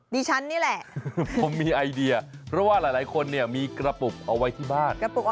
ดีชั้นนี่แหละิดเดี๋ยวว่าหลายคนเนี่ยมีกระปุกเอาไว้ที่บ้าน